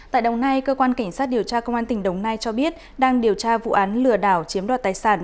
tại đồng nai cơ quan cảnh sát điều tra công an tỉnh đồng nai cho biết đang điều tra vụ án lừa đảo chiếm đoạt tài sản